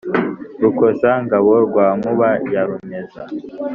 rukoza-ngabo rwa nkuba ya rumeza,